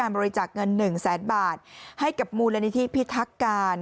บริจาคเงิน๑แสนบาทให้กับมูลนิธิพิทักการ